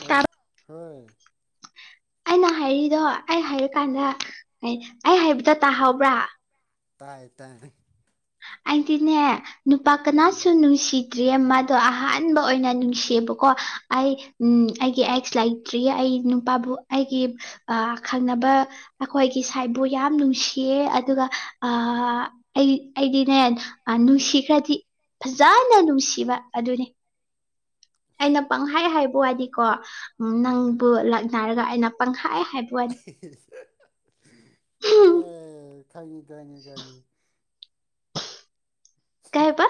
ꯑ ꯇꯥꯕ ꯍꯣꯏ ꯑꯩꯅ ꯍꯥꯏꯔꯤꯗꯣ ꯑꯩ ꯍꯥꯏꯔ ꯀꯥꯟꯗ ꯑꯩ ꯑꯩ ꯍꯥꯏꯕꯗꫭ ꯇꯥꯍꯧꯕ꯭ꯔꯥ ꯇꯥꯏ ꯇꯥꯏ ꯑꯩꯗꯤꯅꯦ ꯅꯨꯄꯥ ꯎꯝ ꯀꯅꯥꯁꯨ ꯅꯨꯡꯁꯤ ꯗ꯭ꯔꯤꯌꯦ ꯃꯥꯗꯣ ꯑꯍꯥꯟꯕ ꯑꯣꯏꯅ ꯅꯨꯡꯁꯤꯌꯦꯕꯀꯣ ꯑꯩ ꯎꯝ ꯑꯩꯒꯤ ꯑꯦꯛꯁ ꯂꯩ ꯇ꯭ꯔꯤꯌꯦ ꯑꯩ ꯅꯨꯄꯥꯕꯨ ꯑꯩꯒꯤ ꯑꯥ ꯈꯪꯅꯕ ꯑꯩꯈꯣꯏꯒꯤ ꯁꯥꯏꯕꯨ ꯌꯥꯝ ꯅꯨꯡꯁꯤꯌꯦ ꯑꯗꯨꯒ ꯑ ꯑꯩ ꯑꯩꯗꯤꯅꯦ ꯑ ꯅꯨꯡꯁꯤꯈ꯭ꯔꯥꯗꯤ ꯐꯖꯅꯥ ꯅꯨꯡꯁꯤꯕ ꯑꯗꯨꯅꯤ ꯑꯩꯅ ꯄꯪꯈꯥꯏ ꯍꯥꯏꯕ ꯋꯥꯅꯤꯀꯣ ꯎꯝ ꯅꯪꯕꯨ ꯂꯥꯛꯅꯔꯒ ꯑꯩꯅ ꯄꯪꯍꯥꯏ ꯍꯥꯏꯕ ꯋꯥꯅꯤ ꯏꯁ ꯑꯦ ꯈꯪꯉꯤ ꯈꯪꯉꯤ ꯈꯪꯉꯤ ꯀꯩꯕ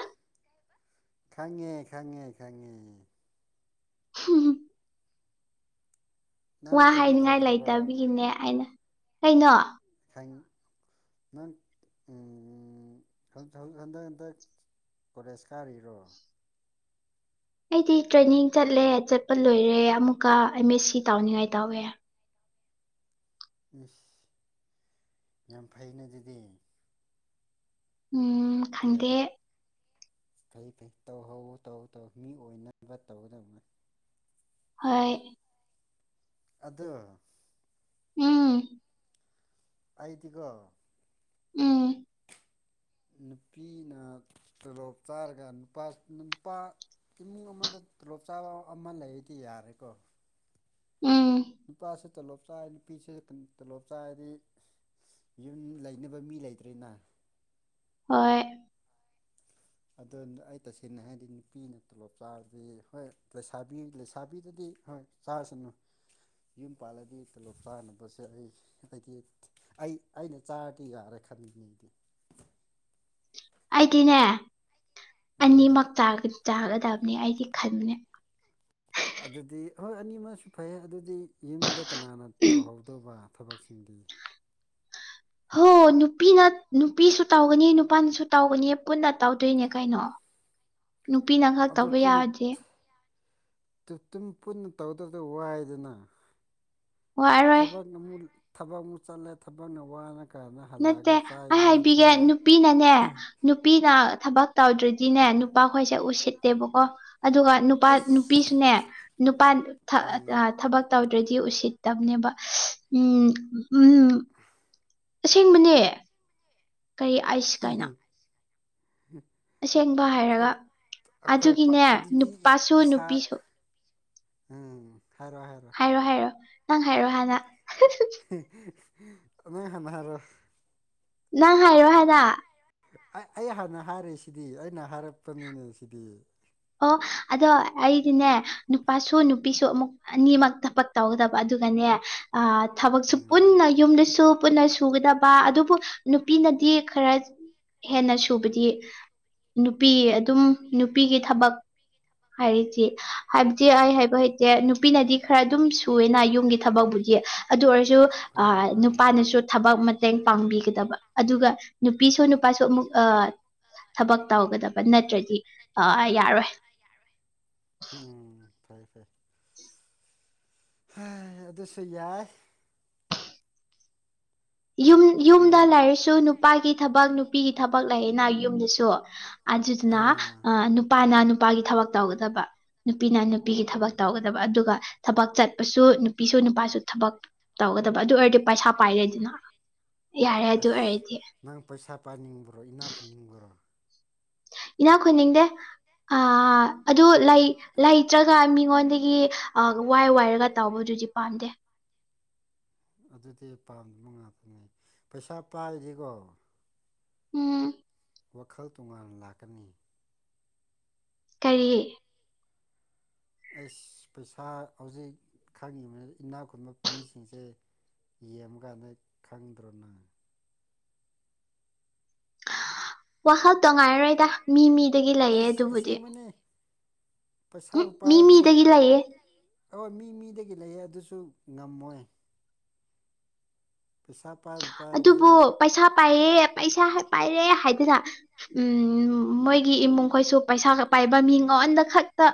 ꯈꯪꯉꯦ ꯈꯪꯉꯦ ꯈꯪꯉꯦ [inaudible] ꯅꯪ ꯋꯥ ꯀꯩꯅꯣ ꯍꯥꯏꯅꯤꯡꯉꯥꯏ ꯇꯧꯗ꯭ꯔꯕꯣ ꯂꯩꯇꯕꯤꯒꯤꯅꯦ ꯑꯩꯅ ꯀꯩꯅꯣ ꯈꯪ ꯅꯪ ꯎꯝ ꯈꯟꯗꯛ ꯍꯟꯗꯛ ꯍꯟꯗꯛ ꯀꯣꯂꯦꯖ ꯀꯥꯔꯤꯔꯣ ꯑꯩꯗꯤ ꯇ꯭ꯔꯦꯅꯤꯡ ꯆꯠꯂꯦ ꯆꯠꯄ ꯂꯣꯏꯔꯦ ꯑꯃꯨꯛꯀ ꯑꯦꯝ ꯑꯦꯁ ꯁꯤ ꯇꯥꯎꯅꯤꯡꯉꯥꯏ ꯇꯧꯋꯦ ꯏꯁ ꯌꯥꯝ ꯐꯩꯅꯦ ꯑꯗꯨꯗꯤ ꯎꯝ꯫ ꯈꯪꯗꯦ ꯌꯥꯗꯦ ꯐꯩ ꯐꯩ ꯇꯧꯍꯧꯋꯦ ꯇꯧ ꯇꯧ ꯃꯤ ꯑꯣꯏꯅꯕ ꯇꯧꯒꯗꯕꯥ ꯍꯣꯏ ꯑꯗꫭ ꯎꯝ꯫ ꯑꯩꯗꯤꯒꫭ ꯎꯝ꯫ ꯅꯨꯄꯤꯅ ꯇꯣꯂꯣꯞ ꯆꯥꯔꯒ ꯅꯨꯄꯥ ꯅꯨꯄꯥ ꯏꯃꯨꯡ ꯑꯃꯗ ꯇꯣꯂꯣꯞ ꯆꯥꯕ ꯑꯃ ꯂꯩꯔꯗꯤ ꯌꯥꯔꯦꯀꯣ ꯎꯝ ꯅꯨꯄꯥꯁꯨ ꯇꯣꯂꯣꯞ ꯆꯥꯏ ꯅꯨꯄꯤꯁꯨ ꯎꯝ ꯇꯣꯂꯣꯞ ꯆꯥꯔꯗꯤ ꯌꯨꯝ ꯂꯩꯅꯕ ꯃꯤ ꯂꯩꯇ꯭ꯔꯦꯅꯥ ꯍꯣꯏ ꯑꯗꯣꯅ ꯑꯩ ꯇꯁꯦꯡꯅ ꯍꯥꯏꯗꯤ ꯅꯨꯄꯤꯅ ꯇꯣꯂꯣꯞ ꯆꯥꯔꯗꯤ ꯍꯣꯏ ꯂꯩꯁꯥꯕꯤ ꯂꯩꯁꯥꯕꯤꯗꯗꯤ ꯍꯣꯏ ꯆꯥꯔꯁꯅꯨ ꯌꯨꯝ ꯄꯥꯜꯂꯗꯤ ꯇꯂꯣꯞ ꯆꯥꯅꯕꯁꯦ ꯑꯩ ꯑꯩꯗꯤ ꯑꯩ ꯑꯩꯅ ꯆꯥꯔꯗꯤ ꯌꯥꯔꯦ ꯈꯟ ꯃꯤꯅꯦ ꯑꯩꯗꯤ ꯑꯩꯗꯤꯅꯦ ꯎꯝ ꯑꯅꯤꯃꯛ ꯆꯥ ꯆꯥꯒꯗꯕꯅꯤ ꯑꯩꯗꯤ ꯈꯟꯕꯅꯦ ꯑꯗꯨꯗꯤ ꯍꯣꯏ ꯑꯅꯤ ꯃꯁꯨ ꯐꯩꯌꯦ ꯑꯗꯨꯗꯤ ꯌꯨꯝꯗ ꯀꯅꯥꯅ ꯇꯧꯍꯧꯗꯣꯕ ꯊꯕꯛꯁꯤꯡꯗꯤ ꯍꯣ ꯅꯨꯄꯤꯅ ꯅꯨꯄꯤꯁꯨ ꯇꯧꯒꯅꯤ ꯅꯨꯞ ꯄꯥꯅꯁꯨ ꯇꯧꯒꯅꯤ ꯄꯨꯟꯅ ꯇꯧꯗꯣꯏꯅꯦ ꯀꯩꯅꯣ ꯅꯨꯄꯤꯅ ꯈꯛ ꯑꯗꯨ ꯇꯧꯕ ꯌꯥꯗꯦ ꯇꯨ ꯇꯨꯝ ꯄꯨꯟꯅ ꯇꯧꯗꯕꯗꯣ ꯋꯥꯏꯗꯅ ꯋꯥ ꯑꯔꯣꯏ ꯊꯕꯛꯅ ꯑꯃꯨꯛ ꯊꯕꯛ ꯑꯃꯨꯛ ꯆꯠꯂꯦ ꯊꯕꯛꯅ ꯋꯥꯔ ꯀꯥꯟꯅ ꯍꯜꯂꯑꯒ ꯅꯠꯇꯦ ꯆꯥꯛ ꯑꯩ ꯏꯟꯖꯥꯡ ꯊꯣꯡ ꯍꯦ ꯄꯤꯅ ꯊꯕꯛ ꯇꯧꯗ꯭ꯔꯗꯤꯅꯦ ꯅꯨꯄꯥꯈꯣꯏꯁꯦ ꯎꯁꯤꯠꯇꯦꯕꯀꯣ ꯑꯗꯨꯒ ꯅꯨꯄꯥ ꯑꯩꯁ ꯅꯨꯄꯤꯁꯨꯅꯦ ꯅꯨꯄꯥ ꯊꯥ ꯎꯝ ꯑꯥ ꯊꯕꯛ ꯇꯧꯗ꯭ꯔꯗꯤ ꯎꯁꯤꯠꯇꯝꯅꯦꯕ [unintelligible] ꯎꯝ ꯎꯝ ꯑꯁꯦꯡꯕꯅꯦ ꯀꯩ ꯑꯥꯏꯁ ꯀꯥꯏꯅ ꯍꯨꯝ ꯑꯁꯦꯡꯕ ꯍꯥꯏꯔꯒ ꯑꯞ ꯑꯩꯈꯣꯏ ꯄꯥ ꯑꯗꯨꯒꯤꯅꯦ ꯑꯗꯨꯗꯤ ꯏꯁ ꯅꯨꯄꯥꯁꯨ ꯏꯁꯥ ꯅꯨꯄꯤꯁꯨ ꯎꯝ ꯍꯥꯏꯔꯣ ꯍꯥꯏꯔꯣ ꯍꯥꯏꯔꯣ ꯍꯥꯏꯔꯣ ꯅꯪ ꯍꯥꯏꯔꯣ ꯍꯥꯟꯅ ꯑ ꯅꯪ ꯍꯥꯟꯅ ꯍꯥꯏꯔꯣ ꯅꯪ ꯍꯥꯏꯔꯣ ꯍꯥꯟꯅ ꯑꯩ ꯑꯩ ꯍꯥꯟꯅ ꯍꯥꯏꯔꯤꯁꯤꯗꯤ ꯑꯩꯅ ꯍꯥꯏꯔꯛꯄꯅꯤꯅꯦ ꯁꯤꯗꯤ ꯑꯣ ꯑꯗꯣ ꯑꯩꯗꯤꯅꯦ ꯅꯨꯄꯥꯁꯨ ꯅꯨꯄꯤꯁꯨ ꯑꯃꯨꯛ ꯑꯅꯤꯃꯛ ꯊꯕꯛ ꯇꯧꯒꯗꯕ ꯑꯗꯨꯒꯅꯦ ꯑꯥ ꯊꯕꯛꯁꯨ ꯎꯝ ꯄꯨꯟꯅ ꯌꯨꯝꯗꯁꯨ ꯄꯨꯟꯅ ꯁꯨꯒꯗꯕ ꯑꯗꯨꯕꯨ ꯅꯨꯄꯤꯅꯗꯤ ꯈꯔ ꯍꯦꯟꯅ ꯁꯨꯕꯗꯤ ꯅꯨꯄꯤ ꯑꯗꯨꯝ ꯅꯨꯄꯤꯒꯤ ꯊꯕꯛ ꯍꯥꯏꯔꯤꯖꯤ ꯍꯥꯏꯕꯗꯤ ꯑꯩ ꯍꯥꯏꯕ ꯍꯩꯇꯦ ꯅꯨꯄꯤꯅꯗꯤ ꯈꯔ ꯑꯗꯨꯝ ꯁꯨꯑꯦꯅ ꯌꯨꯝꯒꯤ ꯊꯕꯛꯕꯨꯗꯤ ꯑꯗꯨ ꯑꯣꯏꯔꯁꯨ ꯑ ꯍꯣꯏ ꯍꯣꯏ ꯅꯨꯄꯥꯅꯁꯨ ꯊꯕꯛ ꯃꯇꯦꯡ ꯄꯥꯡꯕꯤꯒꯗꯕ ꯑꯗꯨꯒ ꯅꯨꯄꯤꯁꯨ ꯅꯨꯄꯥꯁꯨ ꯑꯃꯨꯛ ꯑꯥ ꯊꯕꯛ ꯇꯧꯒꯗꯕ ꯅꯠꯇ꯭ꯔꯗꯤ ꯑꯥ ꯌꯥꯔꯣꯏ ꯌꯥꯔꯣꯢ ꯎꯝ ꯐꯩ ꯐꯩ ꯍꯥꯢ ꯑꯗꯨꯁꯨ ꯌꯥꯏ ꯌꯨꯝ ꯌꯥ ꯌꯨꯝꯗ ꯂꯩꯔꯁꯨ ꯅꯨꯄꯥꯒꯤ ꯊꯕꯛ ꯅꯨꯄꯤꯒꯤ ꯊꯕꯛ ꯂꯩꯌꯦꯅ ꯌꯨꯝꯗꯁꯨ ꯑꯗꯨꯗꯨꯅ ꯑꯥ ꯅꯨꯄꯥꯅ ꯅꯨꯄꯥꯒꯤ ꯊꯕꯛ ꯇꯧꯒꯗꯕ ꯅꯨꯄꯤꯅ ꯅꯨꯄꯤꯒꯤ ꯊꯕꯛ ꯇꯧꯒꯗꯕ ꯑꯗꯨꯒ ꯊꯕꯛ ꯆꯠꯄꯁꯨ ꯅꯨꯄꯤꯁꯨ ꯅꯨꯄꯥꯁꯨ ꯊꯕꯛ ꯇꯧꯒꯗꯕ ꯑꯗꯨ ꯑꯣꯏꯔꯗꯤ ꯄꯥꯢꯁꯥ ꯄꯥꯏꯔꯦꯗꯅ ꯌꯥꯔꯦ ꯑꯗꯨ ꯑꯁ ꯑꯣꯏꯔꯗꯤ ꯅꯪ ꯄꯩꯁꯥ ꯄꯥꯏꯅꯤꯡꯕ꯭ꯔꯣ ꯏꯅꯥ ꯈꯨꯨꯟꯅꯤꯡꯕ꯭ꯔꯣ ꯏꯅꯥ ꯈꯨꯟꯅꯤꯡꯗꯦ ꯑꯥ ꯑꯗꯨ ꯂꯩ ꯂꯩꯇ꯭ꯔꯒ ꯃꯤꯉꯣꯟꯗꯒꯤ ꯑꯥ ꯋꯥꯏ ꯋꯥꯏꯔꯒ ꯇꯥꯎꯕꯗꯨꯗꯤ ꯄꯥꯝꯗꯦ ꯑꯗꯨꯗꯤ ꯄꯥꯝꯗꯕ ꯉꯥꯛꯇꯅꯦ ꯄꯩꯁꯥ ꯄꯥꯏꯔꯤꯀꯣ ꯎꯝ ꯋꯥꯈꯜ ꯇꯣꯉꯥꯟꯅ ꯂꯥꯛꯀꯅꯤ ꯀꯔꯤ ꯑꯩꯁ ꯄꯩꯁꯥ ꯍꯧꯖꯤꯛ ꯈꯪꯉꯤꯕꯅꯤ ꯏꯅꯥꯛ ꯈꯨꯟꯕ ꯃꯤꯁꯤꯡꯁꯦ ꯌꯦꯡꯕꯥꯀꯥꯟꯗ ꯈꯪꯗ꯭ꯔꯣ ꯅꯪ ꯋꯥꯈꯜꯇꯣ ꯉꯥꯏꯔꯣꯏꯗ ꯃꯤ ꯃꯤꯗꯒꯤ ꯂꯩꯌꯦ ꯑꯩꯁ ꯑꯗꯨꯕꯨꯗꯤ ꯑꯁꯦꯡꯕꯅꯦ ꯎꯝ ꯄꯩꯁꯥꯕꯨ ꯃꯤ ꯄꯥꯏꯔꯗꯤ ꯃꯤꯗꯒꯤ ꯂꯩꯌꯦ ꯍꯣꯏ ꯃꯤ ꯃꯤꯗꯒꯤ ꯂꯩꯌꯦ ꯑꯗꯨꯁꯨ ꯉꯝꯃꯣꯏ ꯄꯩꯁꯥ ꯄꯥꯏꯕꯨ ꯄꯥꯏꯔꯗꯤ ꯑꯗꯨꯕꯨ ꯄꯩꯁꯥ ꯄꯥꯏꯌꯦ ꯄꯩꯁꯥ ꯄꯥꯏꯔꯦ ꯍꯥꯏꯗꯅ ꯎꯝ ꯃꯣꯏꯒꯤ ꯏꯃꯨꯡꯈꯣꯏꯁꯨ ꯄꯩꯁꯥ ꯄꯥꯏꯕ ꯃꯤ ꯃꯉꯣꯟꯗ ꯈꯛꯇ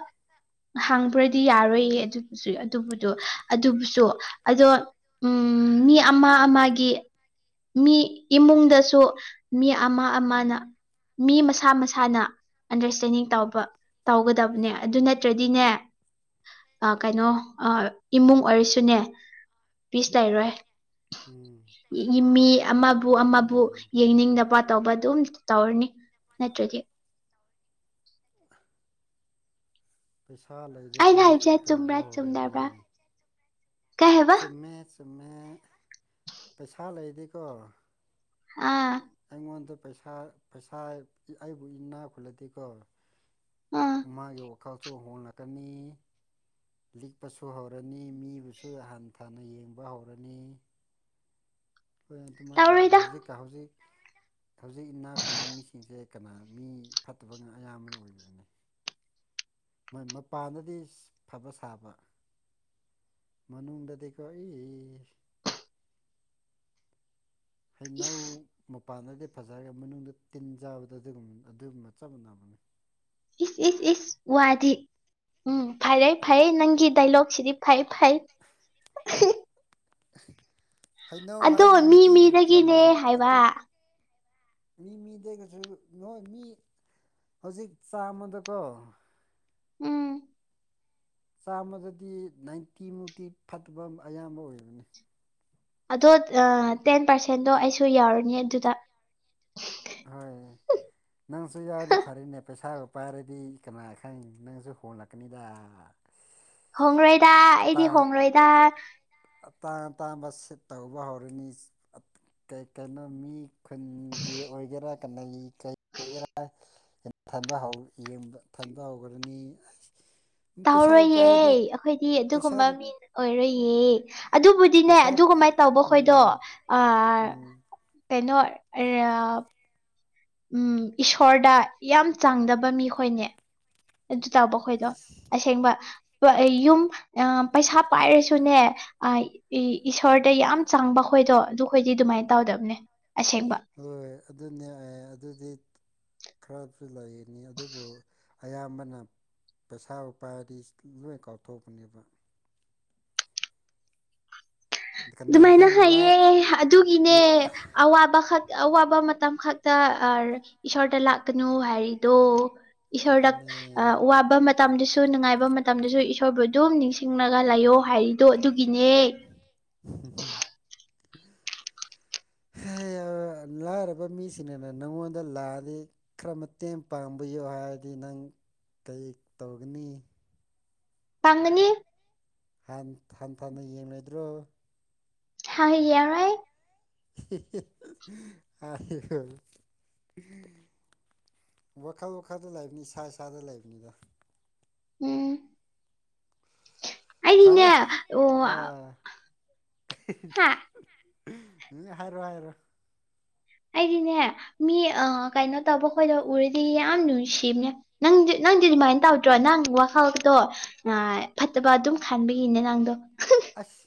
ꯍꯥꯡꯕ꯭ꯔꯗꯤ ꯌꯥꯔꯣꯏꯌꯦ ꯑꯗꯨꯕꯨꯁꯨ ꯑꯗꯨꯕꯨꯗꯣ ꯑꯗꯨꯕꯨꯁꯨ ꯑꯗꯣ ꯎꯝ ꯃꯤ ꯑꯃ ꯑꯃꯒꯤ ꯃꯤ ꯏꯃꯨꯡꯗꯁꯨ ꯃꯤ ꯑꯃ ꯑꯃꯅ ꯃꯤ ꯃꯁꯥ ꯃꯁꯥꯅ ꯑꯟꯗꯔꯁꯇꯦꯟꯗꯤꯡ ꯇꯧꯕ ꯇꯧꯒꯗꯕꯅꯦ ꯑꯗꯨ ꯅꯠꯇ꯭ꯔꯗꯤꯅꯦ ꯀꯩꯅꯣ ꯏꯃꯨꯡ ꯑꯣꯏꯔꯁꯨꯅꯦ ꯄꯤꯁ ꯂꯩꯔꯣꯏ ꯎꯝ ꯃꯤ ꯑꯃꯕꯨ ꯑꯃꯕꯨ ꯎꯝ ꯌꯦꯡꯅꯤꯡꯗꯕ ꯇꯧꯕ ꯑꯗꯨꯝ ꯇꯧꯔꯅꯤ ꯅꯠꯇ꯭ꯔꯗꯤ [inaudible] [unintelligible] ꯄꯩꯁꯥ ꯂꯩꯔ ꯑꯩꯅ ꯑꯗꯨꯃꯥꯏ ꯍꯥꯏꯕꯁꯦ ꯇꯧꯕ ꯆꯨꯝꯕ꯭ꯔꯥ ꯆꯨꯝꯗꯕ꯭ꯔꯥ ꯍꯧꯔꯅꯤ ꯀꯩ ꯍꯥꯏꯕ ꯆꯨꯝꯃꯦ ꯆꯨꯝꯃꯦ ꯄꯩꯁꯥ ꯂꯩꯗꯤꯀꯣ ꯑꯥ ꯑꯩꯉꯣꯟꯗ ꯄꯩꯁꯥ ꯄꯩꯁꯥ ꯑꯩꯕꯨ ꯏꯅꯥ ꯈꯨꯜꯂꯗꯤꯀꯣ ꯎꯝ ꯃꯥꯒꯤ ꯋꯥꯈꯜꯁꯨ ꯍꯣꯡꯂꯛꯀꯅꯤ ꯂꯤꯛꯄꯁꯨ ꯍꯧꯔꯅꯤ ꯃꯤꯕꯨꯁꯨ ꯍꯟꯊꯅ ꯌꯦꯡꯕ ꯍꯧꯔꯅꯤ ꯍꯣꯏ ꯑꯗꯨꯃꯥꯏꯅ ꯇꯧꯕꯅꯤ ꯇꯧꯔꯣꯏꯗ ꯍꯧꯖꯤꯛꯀ ꯍꯧꯖꯤꯛ ꯍꯧꯖꯤꯛ ꯏꯅꯥꯛ ꯈꯨꯟꯕ ꯃꯤꯁꯤꯡꯁꯦ ꯀꯅꯥ ꯃꯤ ꯐꯠꯇꯕꯒ ꯑꯌꯥꯝꯕꯅ ꯑꯣꯏꯗꯣꯏꯅꯤ ꯃꯣꯏ ꯃꯄꯥꯟꯗꯗꯤ ꯐꯕ ꯁꯥꯕ ꯃꯅꯨꯡꯗꯗꯤꯀꯣ ꯑꯩ ꯍꯩꯅꯧ ꯏꯁ ꯃꯄꯥꯟꯗꯗꯤ ꯐꯖꯔꯒ ꯃꯅꯨꯡꯗ ꯇꯤꯟ ꯆꯥꯕꯗ ꯑꯗꯨꯒꯨꯝꯕ ꯑꯗꯨꯒꯨꯝꯕ ꯆꯞ ꯃꯥꯟꯅꯕꯅꯤ ꯏꯁ ꯏꯁ ꯏꯁ ꯋꯥꯗꯤ ꯎꯝ ꯐꯔꯦ ꯐꯩ ꯅꯪꯒꯤ ꯗꯥꯏꯂꯣꯛꯁꯤꯗꯤ ꯐꯩ ꯐꯩ ꯍꯩꯅꯧ ꯑꯗꯣ ꯍꯥꯏꯔꯤ ꯃꯤ ꯅꯨꯄꯤꯕꯨ ꯃꯤꯗꯒꯤꯅꯦ ꯄ꯭ꯔꯃꯥꯟ ꯍꯥꯏꯕ ꯑꯗꯨꯝ ꯃꯤ ꯃꯤꯗꯩꯒꯁꯨ ꯅꯣꯏ ꯃꯤ ꯍꯧꯖꯤꯛ ꯆꯥꯃꯗꯀꯣ ꯎꯝ ꯆꯥꯝꯃꯗꯗꯤ ꯅꯥꯏꯟꯇꯤꯃꯨꯛꯇꯤ ꯐꯠꯇꯕ ꯑꯌꯥꯝꯕ ꯑꯣꯏꯕꯅꯤ ꯑꯗꯣ ꯇꯦꯟ ꯄꯥꯔꯁꯦꯟꯗꯣ ꯑꯩꯁꯨ ꯌꯥꯎꯔꯅꯤ ꯑꯗꯨꯗ ꯍꯣꯏ ꯅꯪꯁꯨ ꯌꯥꯎꯔꯗꯤ ꯐꯔꯅꯦ ꯄꯩꯁꯥꯒ ꯄꯥꯏꯔꯗꯤ ꯀꯅꯥ ꯈꯪ ꯅꯪꯁꯨ ꯍꯣꯜꯂꯛꯀꯅꯤꯗ ꯍꯣꯡꯔꯣꯏꯗ ꯑꯩꯗꯤ ꯍꯣꯡꯔꯣꯏꯗ ꯑꯇꯥꯡ ꯑꯇꯥꯡꯕ ꯁꯤꯠ ꯇꯧꯕ ꯍꯧꯔꯅꯤ ꯀꯩ ꯀꯩꯅꯣ ꯃꯤ ꯈꯨꯟꯒꯤ ꯑꯣꯏꯒꯦꯔꯥ ꯀꯅꯩ ꯀꯩ ꯑꯣꯏꯒꯦꯔꯥ [unintelligible] ꯌꯦꯡꯕ ꯊꯟ ꯊꯅꯕ ꯍꯧꯒ꯭ꯔꯅꯤ ꯇꯧꯔꯣꯏꯌꯦ ꯑꯩꯈꯣꯏꯗꯤ ꯑꯗꯨꯒꯨꯝꯕ ꯄꯩꯁꯥꯕꯨ ꯃꯤ ꯑꯣꯏꯔꯣꯏꯌꯦ ꯑꯗꯨꯕꯨꯗꯤꯅꯦ ꯄꯩꯁꯥ ꯑꯗꯨ ꯀꯃꯥꯏꯅ ꯇꯧꯕ ꯈꯣꯏꯗꯣ ꯑꯥ ꯑꯔ ꯎꯝ ꯀꯩꯅꯣ ꯔ ꯎꯝ ꯏꯁꯣꯔꯗ ꯌꯥꯝ ꯆꯥꯡꯗꯕ ꯃꯤꯈꯣꯏꯅꯦ꯫ ꯑꯗꯨ ꯇꯕ ꯑꯩꯈꯣꯏꯗꯣ ꯑꯁ ꯑꯁꯦꯡꯕ ꯌꯨꯝ ꯑ ꯄꯩꯁꯥ ꯄꯥꯏꯔꯁꯨꯅꯦ ꯑꯥꯏ ꯏꯁꯣꯔꯗ ꯌꯥꯝ ꯆꯪꯕ ꯍꯣꯏꯗꯣ ꯑꯗꯨꯈꯣꯏꯗꯤ ꯑꯗꯨꯃꯥꯏꯅ ꯇꯧꯗꯕꯅꯦ ꯑꯁꯦꯡꯕ ꯍꯣꯏ ꯑꯗꯨꯅꯦ ꯑꯦ ꯑꯗꯨꯗꯤ ꯈꯔꯁꯨ ꯂꯩꯅꯤ ꯑꯗꯨꯕꯨ ꯑꯌꯥꯝꯕꯅ ꯄꯩꯁꯥꯕꯨ ꯄꯥꯏꯗꯤ ꯂꯣꯏ ꯀꯥꯎꯊꯣꯛꯄꯅꯦꯕ꯫ ꯀꯅꯥ ꯗꯨꯃꯥꯏꯅ ꯈꯪ ꯂꯥꯏ ꯍꯥꯏꯌꯦ ꯑꯗꯨꯒꯤꯅꯦ꯫ ꯑꯋꯥꯕꯈꯛ ꯑꯋꯥꯕ ꯃꯇꯝ ꯈꯛꯇ ꯑꯔ ꯏꯁꯣꯔꯗ ꯂꯥꯛꯀꯅꯨ ꯍꯥꯏꯔꯤꯗꯣ ꯏꯁꯣꯔꯗ ꯑꯗꯨꯅꯦ ꯑ ꯋꯥꯕ ꯃꯠ ꯃꯇꯝꯗꯁꯨ ꯅꯨꯡꯉꯥꯏꯕ ꯃꯇꯝꯗꯁꯨ ꯏꯁꯣꯔꯕꯨ ꯑꯗꯨꯝ ꯅꯤꯡꯁꯤꯡꯂꯒ ꯂꯩꯌꯣ ꯍꯥꯏꯔꯤꯗꯣ ꯑꯗꯨꯒꯤꯅꯦ꯫ [unintelligible] [unintelligible] ꯂꯥꯏꯔꯕ ꯃꯤꯁꯤꯡꯅ ꯅ ꯅꯪꯉꯣꯟꯗ ꯂꯥꯑꯗꯤ ꯈꯔ ꯃꯇꯦꯡ ꯄꯥꯡꯕꯤꯌꯣ ꯍꯥꯏꯔꯗꯤ ꯅꯪ ꯀꯩ ꯇꯧꯒꯅꯤ꯫ ꯄꯥꯡꯒꯅꯤ ꯥꯍꯥꯟ ꯍꯟꯊꯅ ꯌꯦꯡꯂꯣꯢꯗ꯭ꯔꯣ꯫ ꯍꯥ ꯌꯔꯣꯏ [unintelligible] ꯋꯥꯈꯜ ꯋꯥꯈꯜꯗ ꯂꯩꯕꯅꯤ ꯏꯁꯥ ꯏꯁꯥꯗ ꯂꯩꯕꯅꯤꯗ꯫ ꯎꯝ ꯑꯩꯗꯤꯅꯦ ꯐꯔꯦ ꯑꯣ ꯑꯥ ꯍꯥ [unintelligible] ꯎꯝ ꯍꯥꯏꯔꯣ ꯍꯥꯏꯔꯣ ꯑꯩꯗꯤꯅꯦ ꯃꯤ ꯑ ꯀꯩꯅꯣ ꯇꯧꯕ ꯈꯣꯏꯗꯣ ꯎꯔꯗꯤ ꯌꯥꯝ ꯅꯨꯡꯁꯤꯕꯅꯦ꯫ ꯅꯪꯗꯤ ꯅꯪꯗꯤ ꯑꯗꯨꯃꯥꯏꯅ ꯇꯧꯗ꯭ꯔꯣ ꯅꯪ ꯋꯥꯈꯜꯗ ꯇꯣ ꯐꯠꯇꯕ ꯑꯗꯨꯝ ꯈꯟꯕꯒꯤꯅꯦ ꯅꯪꯗꯣ꯫ ꯑꯁ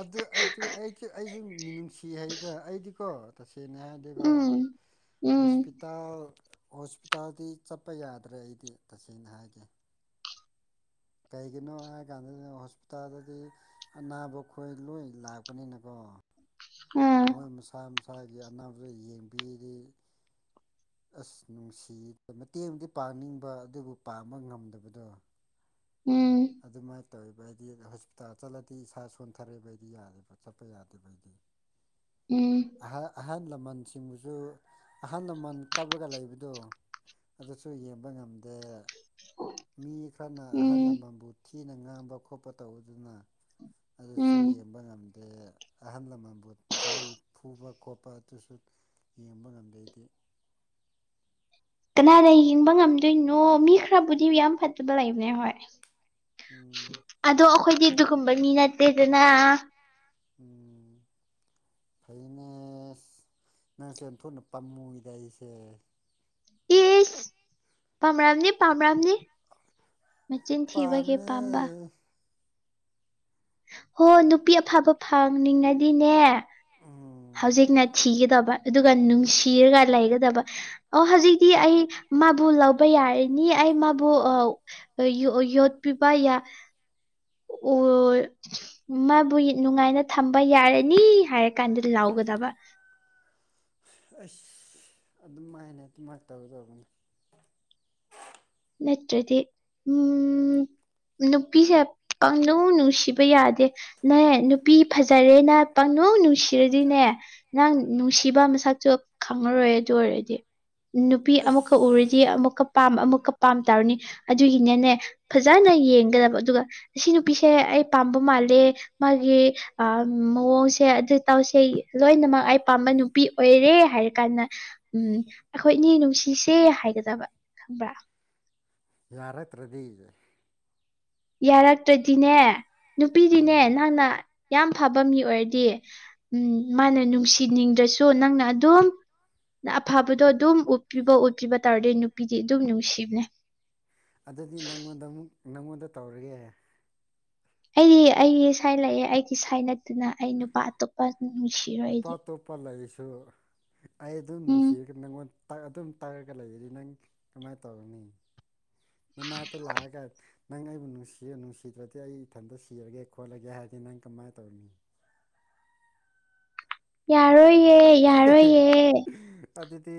ꯑꯗꯨ ꯑꯗꯨ ꯑꯩꯖ ꯑꯩꯖꯨ ꯃꯤꯅꯨꯡꯁꯤ ꯍꯩꯗ ꯑꯩꯗꯤꯀꯣ ꯇꯁꯦꯡꯅ ꯍꯥꯏꯗꯤꯀꯣ ꯎꯝ ꯎꯝ ꯍꯣꯁꯄꯤ ꯏꯇꯥꯎ ꯍꯣꯁꯄꯤꯇꯥꯜꯗꯤ ꯆꯠꯄ ꯌꯥꯗ꯭ꯔꯦ ꯑꯩꯗꯤ ꯇꯁꯦꯡꯅ ꯍꯥꯏꯒꯦ꯫ ꯀꯩꯒꯤꯅꯣ ꯍꯥꯏ ꯀꯥꯟꯗ ꯍꯣꯁꯄꯤꯇꯥꯜꯗꯗꯤ ꯑꯅꯥꯕ ꯈꯣꯏ ꯂꯣꯏ ꯂꯥꯛꯄꯅꯤꯅꯀꯣ ꯎꯝ ꯃꯣꯏ ꯃꯁꯥ ꯁꯥꯢꯒꯤ ꯑꯅꯥꯕꯖꯨ ꯌꯦꯡꯕꯤꯔꯤ ꯑꯁ ꯅꯨꯡꯁꯤ ꯃꯇꯦꯡꯗꯤ ꯄꯥꯡꯅꯤꯡꯕ ꯑꯗꯨꯕꯨ ꯄꯥꯡꯕ ꯉꯝꯗꯕꯗꯣ꯫ ꯎꯝ ꯑꯗꯨꯃꯥꯏꯅ ꯇꯧꯋꯦꯕ ꯑꯩꯗꯤ ꯍꯣꯁꯄꯤꯇꯥꯜ ꯆꯠꯂꯗꯤ ꯏꯁꯥ ꯁꯣꯟꯊꯔꯛꯏꯕ ꯑꯩꯗꯤ ꯌꯥꯗꯦꯕ ꯆꯠꯄ ꯌꯥꯗꯦꯕ ꯑꯩꯗꯤ꯫ ꯎꯝ ꯑꯍ ꯑꯍꯟ ꯂꯃꯟꯁꯤꯡꯕꯨꯁꯨ ꯑꯍꯜ ꯂꯃꯟ ꯀꯥꯞꯂꯒ ꯂꯩꯕꯗꯣ꯫ ꯑꯗꯨꯁꯨ ꯌꯦꯡꯕ ꯉꯝꯗꯦ꯫ ꯃꯤ ꯈ꯭ꯔꯅ ꯑꯍꯜ ꯎꯝ ꯂꯃꯟꯕꯨ ꯊꯤꯅ ꯉꯥꯡꯕ ꯈꯣꯠꯄ ꯇꯧꯕꯗꯨꯅ ꯑꯗꯨꯁꯨ ꯎꯝ ꯌꯦꯡꯕ ꯉꯝꯗꯦ ꯑꯍꯜ ꯂꯃꯟꯕꯨ ꯆꯩꯥ ꯕ ꯈꯣꯠꯄ ꯑꯗꯨꯁꯨ ꯌꯦꯡꯕ ꯉꯝꯗꯦ ꯑꯩꯗꯤ ꯀꯅꯥꯅ ꯌꯦꯡꯕ ꯉꯝꯗꯣꯏꯅꯣ ꯃꯤ ꯈ꯭ꯔꯕꯨꯗꯤ ꯌꯥꯝ ꯐꯠꯇꯕ ꯂꯩꯕꯅꯦ ꯍꯣꯏ꯫ ꯎꯝ ꯑꯗꯣ ꯑꯈꯣꯏꯗꯤ ꯑꯗꯨꯒꯨꯝꯕꯅꯤ ꯅꯠꯇꯦꯗꯅ꯫ ꯎꯝ ꯐꯩꯅꯦꯁ ꯅꯁꯦ ꯑꯟꯊꯣꯛꯅ ꯄꯥꯝꯃꯨꯏꯗ ꯑꯩꯁꯦ꯫ ꯏꯁ ꯄꯥꯝꯔꯝꯅꯤ ꯄꯥꯝꯔꯝꯅꯤ ꯃꯆꯤꯟ ꯊꯤꯕꯒꯤ ꯄꯥꯝꯃꯦ ꯄꯥꯝꯕ ꯍꯣ ꯅꯨꯄꯤ ꯑꯐꯕ ꯐꯪꯅꯤꯡꯉꯗꯤꯅꯦ ꯎꯝ ꯍꯧꯖꯤꯛꯅ ꯊꯤꯒꯗꯕ ꯑꯗꯨꯒ ꯅꯨꯡꯁꯤꯔꯒ ꯂꯩꯒꯗꯕ ꯑꯣ ꯍꯧꯖꯤꯛꯇꯤ ꯑꯩ ꯃꯥꯕꯨ ꯂꯧꯕ ꯌꯥꯔꯅꯤ ꯑꯩ ꯃꯥꯕꯨ ꯑꯣ ꯌꯣ ꯌꯣꯠ ꯄꯤꯕ ꯌꯥ ꯑꯣꯢ ꯃꯥꯕꯨ ꯅꯨꯡꯉꯥꯏꯅ ꯊꯝꯕ ꯌꯥꯔꯅꯤ ꯍꯥꯏꯔꯀꯥꯟꯗ ꯂꯥꯎꯒꯗꯕ ꯑꯁ ꯑꯗꯨꯝꯥꯏꯅ ꯑꯗꯨꯃꯥꯏꯅ ꯇꯧꯗꯧꯕꯅꯤ ꯅꯠꯇ꯭ꯔꯗꯤ ꯎꯝ ꯅꯨꯄꯤꯁꯦ ꯄꯪꯅꯨꯡ ꯅꯨꯡꯁꯤꯕ ꯌꯥꯗꯦ ꯅꯣꯢ ꯅꯨꯄꯤ ꯐꯖꯔꯦꯅ ꯄꯪꯅꯨꯡ ꯅꯨꯡꯁꯤꯔꯗꯤꯅꯦ ꯅꯪ ꯅꯨꯡꯁꯤꯕ ꯃꯁꯛꯁꯨꯨ ꯈꯪꯉꯔꯣꯏ ꯑꯗꯨ ꯑꯣꯏꯔꯗꯤ ꯅꯨꯄꯤ ꯑꯩꯁ ꯑꯃꯨꯛꯀ ꯎꯔꯗꯤ ꯑꯃꯨꯛꯀ ꯄꯥꯝ ꯑꯃꯨꯛꯀ ꯄꯥꯝ ꯇꯧꯔꯅꯤ ꯑꯗꯨꯒꯤꯅꯦꯅꯦ ꯐꯖꯅ ꯌꯦꯡꯒꯗꯕ ꯑꯗꯨꯒ ꯁꯤ ꯅꯨꯄꯤꯁꯦ ꯑꯩ ꯄꯥꯝꯕ ꯃꯥꯜꯂꯦ ꯃꯥꯒꯤ ꯑ ꯃꯑꯣꯡꯁꯦ ꯑꯗꯨ ꯇꯥꯎꯁꯦ ꯂꯣꯏꯅꯃꯛ ꯑꯩ ꯄꯥꯝꯕ ꯅꯨꯄꯤ ꯑꯣꯏꯔꯦ ꯍꯥꯏꯔꯀꯥꯟꯗ ꯎꯝ ꯑꯈꯣꯏ ꯑꯅꯤ ꯅꯨꯡꯁꯤꯁꯦ ꯍꯥꯏꯒꯗꯕ ꯈꯪꯕ꯭ꯔꯥ ꯌꯥꯔꯛꯇ꯭ꯔꯗꯤ ꯌꯥꯔꯛꯇ꯭ꯔꯗꯤꯅꯦ ꯅꯨꯄꯤꯗꯤꯅꯦ ꯎꯝ ꯅꯪꯅ ꯌꯥꯝ ꯐꯕ ꯃꯤ ꯑꯣꯏꯔꯗꯤ ꯎꯝ ꯃꯥꯅ ꯅꯨꯡꯁꯤꯅꯤꯡꯗ꯭ꯔꯁꯨ ꯅꯪꯅ ꯑꯗꯨꯝ ꯅ ꯑꯐꯕꯗꯣ ꯑꯗꯨꯝ ꯎꯠꯄꯤꯕ ꯎꯠꯄꯤꯕ ꯇꯧꯔꯗꯤ ꯅꯨꯄꯤꯗꯤ ꯑꯗꯨꯝ ꯅꯨꯡꯁꯤꯕꯅꯦ ꯑꯗꯨꯗꯤ ꯅꯪꯉꯣꯟꯗ ꯑꯃꯨꯛ ꯅꯪꯉꯣꯟꯗ ꯇꯧꯔꯒꯦ ꯑꯩ ꯑꯩꯒꯤ ꯁꯥꯏ ꯂꯩꯌꯦ ꯑꯩꯒꯤ ꯁꯥꯏ ꯅꯠꯇꯅ ꯑꯩ ꯅꯨꯄꯥ ꯑꯇꯣꯞꯄ ꯅꯨꯡꯁꯤꯔꯣꯏ ꯅꯨꯄꯥ ꯑꯩꯗꯤ ꯑꯇꯣꯞꯄ ꯂꯩꯁꯨ ꯑꯩ ꯑꯗꯨꯝ ꯎꯝ ꯅꯨꯡꯁꯤꯔꯒ ꯅꯪꯉꯣꯟ ꯇꯥ ꯑꯗꯨꯝ ꯇꯛꯔꯒ ꯂꯩꯔꯗꯤ ꯅꯪ ꯀꯃꯥꯏ ꯇꯧꯒꯅꯤ ꯅꯅꯥꯛꯇ ꯂꯛꯑꯒ [unintelligible] ꯅꯪ ꯑꯩꯕꯨ ꯅꯨꯡꯁꯤꯌꯣ ꯅꯨꯡꯁꯤꯗ꯭ꯔꯗꯤ ꯑꯩ ꯏꯊꯟꯇ ꯁꯤꯔꯒꯦ ꯈꯣꯠꯂꯒꯦ ꯍꯥꯏꯔꯗꯤ ꯅꯪ ꯀꯃꯥꯏ ꯇꯧꯅꯤ ꯌꯥꯔꯣꯏꯌꯦ ꯌꯥꯔꯣꯏꯌꯦ ꯑꯗꯨꯗꯤ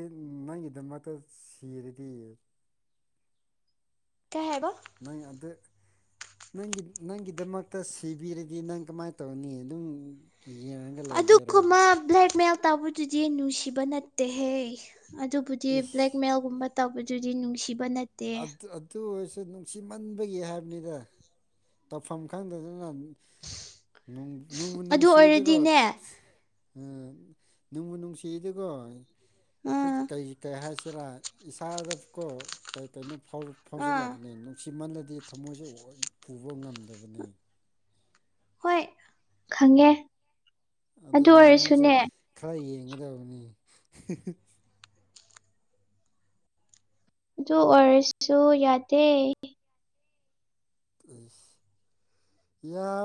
ꯅꯪꯒꯤꯗꯃꯛꯇ ꯁꯤꯔꯗꯤ ꯀꯩ ꯍꯥꯢꯕ ꯅꯪ [unintelligible] ꯅꯪꯒꯤ ꯅꯪꯒꯤꯗꯃꯛꯇ ꯁꯤꯕꯤꯔꯗꯤ ꯅꯪ ꯀꯃꯥꯏꯅ ꯇꯧꯅꯤ ꯑꯗꯨꯝ ꯀꯤꯔꯒ ꯑꯗꯨ ꯀꯨꯝꯕ ꯕ꯭ꯂꯦꯛꯃꯦꯜ ꯇꯧꯕ ꯑꯗꯨꯗꯤ ꯅꯨꯡꯁꯤꯕ ꯅꯠꯇꯦꯍꯦ ꯑꯗꯨꯕꯨꯗꯤ ꯏꯁ ꯕ꯭ꯂꯦꯛꯃꯦꯜꯒꯨꯝꯕ ꯇꯧꯕꯗꯨꯗꯤ ꯅꯨꯡꯁꯤꯕ ꯅꯠ ꯑꯗꯨ ꯑꯗꯨ ꯑꯣꯏꯔꯁꯨ ꯅꯨꯡꯁꯤꯃꯟꯕꯒꯤ ꯍꯥꯏꯕꯅꯤꯗ ꯇꯧꯐꯝ ꯈꯪꯗꯗꯅ ꯅꯨꯡꯕꯨ ꯑꯗꯨ ꯅꯨꯡꯕꯨꯁꯤꯗꯤꯀꯣ ꯑꯣꯏꯔꯗꯤꯅꯦ [unintelligible] ꯎꯝ ꯅꯨꯡꯕꯨ ꯅꯨꯡꯁꯤꯔꯗꯤꯀꯣ ꯑꯥ ꯀꯩ ꯀꯩ ꯍꯥꯏꯁꯤꯔꯥ ꯏꯁꯥꯗꯀꯣ ꯀꯩ ꯀꯩꯅꯣ ꯐꯥꯎ ꯑꯥ ꯐꯥꯎꯖꯤꯜꯂꯛꯄꯅꯦ ꯑꯗꯨꯝ ꯁꯤꯃꯜꯂꯗꯤ ꯊꯃꯣꯏꯁꯦ [unintelligible] ꯄꯨꯕ ꯉꯝꯗꯕꯅꯦ ꯍꯣꯏ ꯈꯪꯉꯦ ꯑꯗꯨ ꯑꯗꯨꯅꯦ ꯅꯪꯁꯨ ꯑꯣꯏꯔꯁꯨꯅꯦ ꯈꯔ ꯌꯦꯡꯒꯗꯕꯅꯤ [unintelligible] ꯑꯗꯨ ꯑꯣꯏꯔꯁꯨ ꯌꯥꯗꯦ ꯢꯁ ꯌꯥ